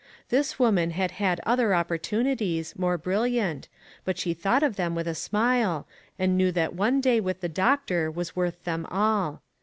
This woman had had other opportunities, more • brilliant, but she thought of them with a smile, and knew that one day with the doctor was worth them all.